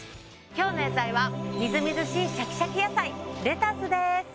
今日の野菜はみずみずしいシャキシャキ野菜レタスです。